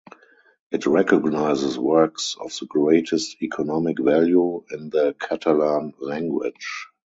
It recognizes works of the greatest economic value in the Catalan language.